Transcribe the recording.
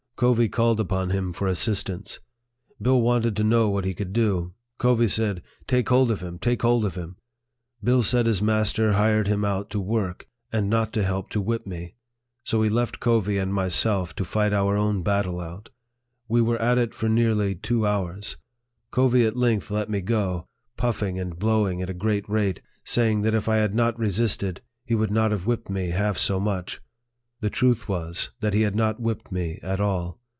Covey called upon him for assistance. Bill wanted to know what he could do. Covey said, " Take hold of him, take hold of him !" Bill said his master hired him out to work, and not to help to whip me ; so he left Covey and myself to fight our own battle out. We were at it for nearly two hours. Covey at length let me go, puffing and blowing at a great rate, saying that if I had not resisted, he would not have whipped me half so much. The truth was, that he had not whipped me at all.